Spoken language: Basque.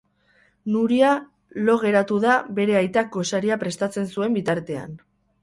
Nuria lo geratu da bere aitak gosaria prestatzen zuen bitartean.